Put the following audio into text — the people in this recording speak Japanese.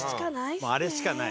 もうあれしかない。